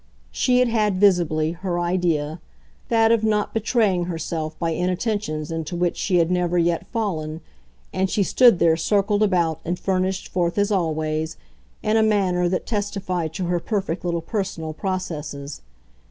She had had, visibly, her idea that of not betraying herself by inattentions into which she had never yet fallen, and she stood there circled about and furnished forth, as always, in a manner that testified to her perfect little personal processes.